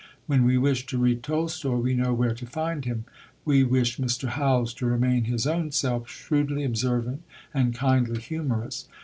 When we wish to read Tolstoi, we know where to find him; we wish Mr. Howells to remain his own self, shrewdly observant, and kindly humorous.